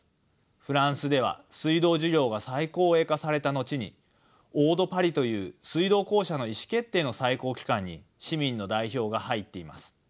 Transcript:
フランスでは水道事業が再公営化された後にオー・ド・パリという水道公社の意思決定の最高機関に市民の代表が入っています。